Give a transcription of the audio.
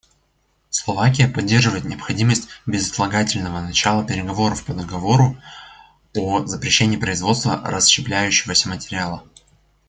Словакия поддерживает необходимость безотлагательного начала переговоров по договору о запрещении производства расщепляющегося материала.